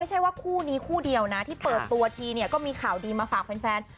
ไม่ใช่ว่าคู่นี้คู่เดียวนะที่เปิดตัวทีเนี่ยก็มีข่าวดีมาฝากแฟน